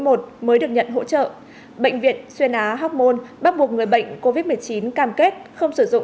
mới được nhận hỗ trợ bệnh viện xuyên á hóc môn bắt buộc người bệnh covid một mươi chín cam kết không sử dụng